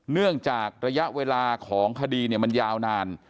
เนื่องจากระยะเวลาของคดีมันยาวนาน